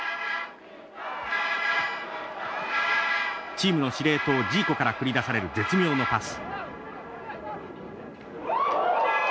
チームの司令塔ジーコから繰り出される絶妙のパス。